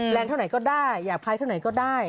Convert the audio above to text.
เท่าไหนก็ได้อยากพายเท่าไหนก็ได้